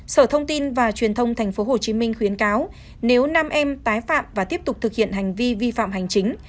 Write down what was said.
sở thông tin và truyền thông tp hcm khuyến cáo nếu nam em tái phạm và tiếp tục thực hiện hành vi vi phạm hành chính